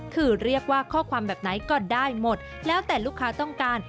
คือเรียกว่าข้อความแบบไหนก็ได้หมดแล้วแต่ลูกค้าต้องการ